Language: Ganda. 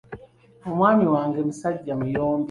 Omwami wange musajja muyombi.